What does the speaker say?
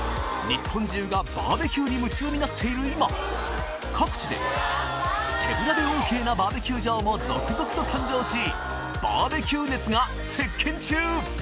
日本中がバーベキューに夢中になっている今各地で「手ぶらでＯＫ」なバーベキュー場も続々と誕生しバーベキュー熱が席捲中！